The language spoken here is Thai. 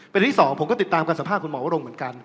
เป็นที่สองผมก็ติดตามการสัมภาษณ์คุณหมอวรงค์เหมือนกัน